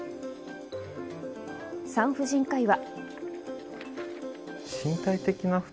産婦人科医は。